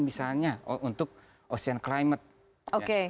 misalnya untuk ocean climate